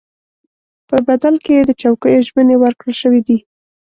په بدل کې یې د چوکیو ژمنې ورکړل شوې دي.